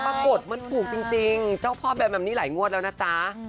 ปรากฏมันถูกจริงเจ้าพ่อแบมแบบนี้หลายงวดแล้วนะจ๊ะ